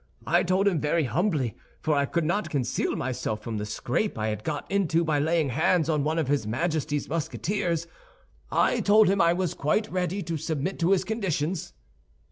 I told him very humbly—for I could not conceal from myself the scrape I had got into by laying hands on one of his Majesty's Musketeers—I told him I was quite ready to submit to his conditions.